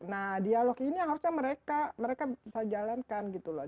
nah dialog ini yang harusnya mereka bisa jalankan gitu loh